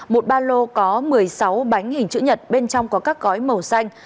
một ba lô có một mươi sáu bánh hình chữ nhật bên trong có các gói màu xanh